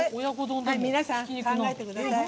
皆さん、考えてください。